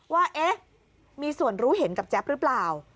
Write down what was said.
ว่ามีส่วนรู้เห็นกับแจ็ปรึเปล่า